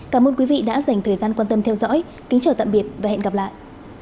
cảm ơn các bạn đã theo dõi và hẹn gặp lại